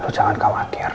lo jangan khawatir